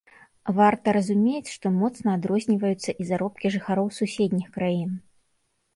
Варта разумець, што моцна адрозніваюцца і заробкі жыхароў суседніх краін.